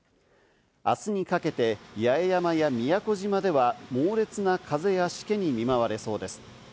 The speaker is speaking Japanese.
明日にかけて八重山や宮古島では猛烈な風やしけに見舞われそうです。